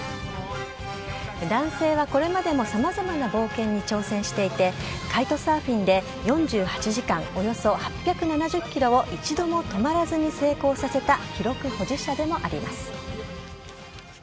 男性はこれまでもさまざまな冒険に挑戦していて、カイトサーフィンで、４８時間およそ８７０キロを一度も止まらずに成功させた記録保持者でもあります。